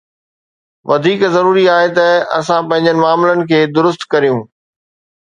وڌيڪ ضروري آهي ته اسان پنهنجن معاملن کي درست ڪريون.